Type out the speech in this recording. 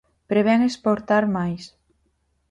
Prevén exportar máis.